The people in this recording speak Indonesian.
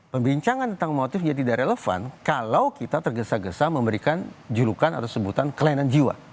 pembincangan tentang motif jadi tidak relevan kalau kita tergesa gesa memberikan julukan atau sebutan kelainan jiwa